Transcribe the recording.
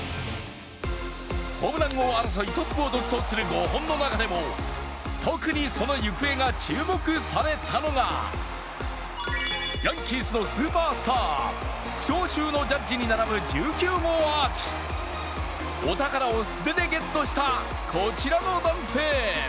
ホームラン王争いトップを独走する５本の中でも、特にその行方が注目されたのがヤンキースのスーパースター負傷中のジャッジに並ぶ１９号アーチ、お宝を素手でゲットした、こちらの男性。